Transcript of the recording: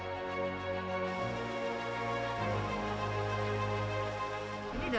dan juga dengan kekuatan dari pemerintah dan pemerintah